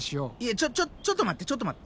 ちょちょちょっと待ってちょっと待って。